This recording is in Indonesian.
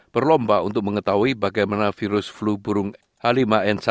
berlomba untuk mengetahui bagaimana virus flu burung a lima n satu